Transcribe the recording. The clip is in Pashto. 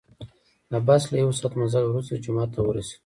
د بس له یو ساعت مزل وروسته جومات ته ورسیدو.